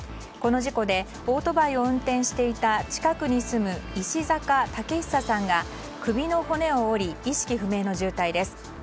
この事故でオートバイを運転していた近くに住む石坂武久さんが首の骨を折り意識不明の重体です。